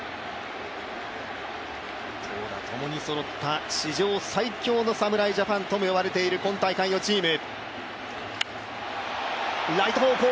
投打ともにそろった史上最強の侍ジャパンとも呼ばれている今回のチーム。